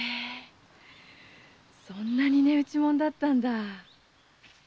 そんなに値打ちもんだったんだ！